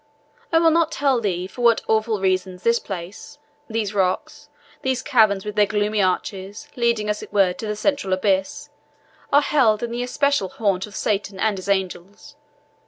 I will not tell thee for what awful reason this place these rocks these caverns with their gloomy arches, leading as it were to the central abyss are held an especial haunt of Satan and his angels.